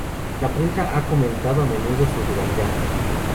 La prensa ha comentado a menudo su rivalidad.